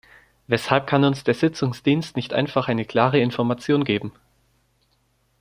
Weshalb kann uns der Sitzungsdienst nicht einfach eine klare Information geben?